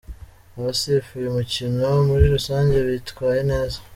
Abasifuye umukino muri rusange bitwaye neza.